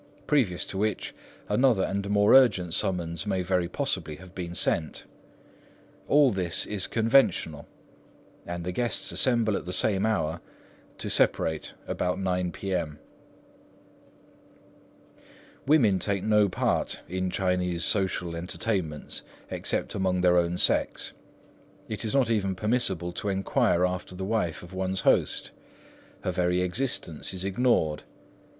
previous to which another and more urgent summons may very possibly have been sent. All this is conventional, and the guests assemble at the same hour, to separate about 9 P.M. Women take no part in Chinese social entertainments except among their own sex. It is not even permissible to enquire after the wife of one's host. Her very existence is ignored.